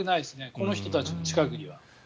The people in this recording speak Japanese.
この人たちの近くには。